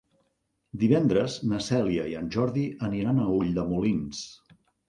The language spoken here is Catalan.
Divendres na Cèlia i en Jordi aniran a Ulldemolins.